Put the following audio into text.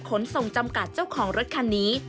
ขนส่งจำกัดเจ้าของรถคันนี้